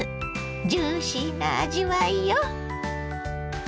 ジューシーな味わいよ。